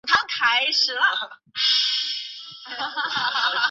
基于细胞的免疫疗法对一些癌症有效。